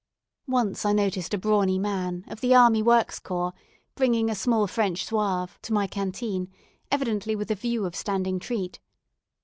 Once I noticed a brawny man, of the Army Works Corps, bringing a small French Zouave to my canteen, evidently with the view of standing treat.